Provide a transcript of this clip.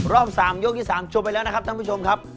รอบ๓ยกที่๓ชมไปแล้วนะครับท่านผู้ชมครับ